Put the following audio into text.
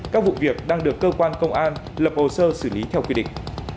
các vụ việc đang được cơ quan công an lập hồ sơ xử lý theo quy định